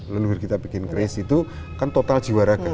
leluhur kita bikin kris itu kan total jiwa raga